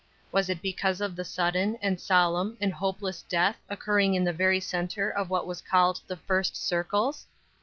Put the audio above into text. Was it because of the sudden, and solemn, and hopeless death occurring in the very center of what was called "the first circles?"